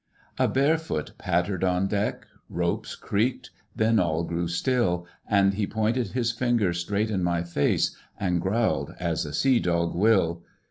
A bare foot pattered on deck; Ropes creaked; then all grew still, And he pointed his finger straight in my face And growled, as a sea dog will.